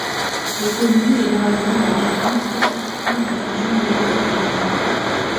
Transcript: Il est connu, généralement, en Algérie et spécifiquement dans la région de l'Ouest algérien.